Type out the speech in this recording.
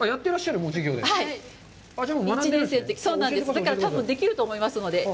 だから、多分できると思いますので。